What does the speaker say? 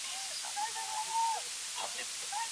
د فبرورۍ څلور ویشتمه د یو لوی لیکوال ورځ ده.